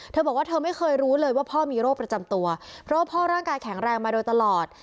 เธอบอกว่าเธอไม่เคยรู้เลยว่าพ่อมีโรคประจำตัวเพราะว่าพ่อร่างกายแข็งแรงมาโดยตลอด